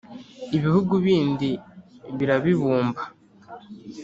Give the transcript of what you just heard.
Ibihugu bindi birabibumba